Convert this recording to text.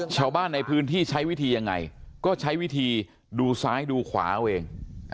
ชาวบ้านในพื้นที่ใช้วิธียังไงก็ใช้วิธีดูซ้ายดูขวาเอาเอง